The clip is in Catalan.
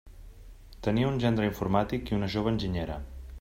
Tenia un gendre informàtic i una jove enginyera.